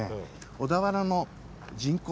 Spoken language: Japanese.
小田原の人口。